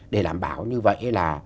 để đảm bảo như vậy là